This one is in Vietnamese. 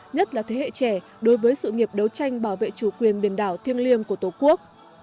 nhất là thế hệ trẻ đối với sự nghiệp đấu tranh bảo vệ chủ quyền biển đảo thiêng liêng của tổ quốc